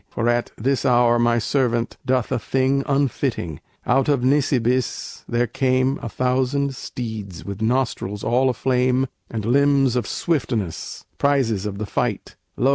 For at this hour my servant doth a thing Unfitting: out of Nisibis there came A thousand steeds with nostrils all aflame And limbs of swiftness, prizes of the fight; Lo!